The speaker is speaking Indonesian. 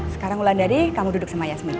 sekarang ulan dari kamu duduk sama yasmin ya